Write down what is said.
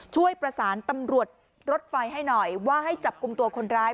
ช่วยประสานตำรวจรถไฟให้หน่อยว่าให้จับกลุ่มตัวคนร้าย